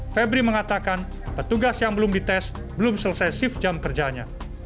febri mengatakan petugas yang belum dites belum selesai shift jam kerjanya